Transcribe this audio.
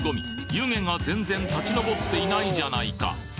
湯気が全然立ちのぼっていないじゃないか！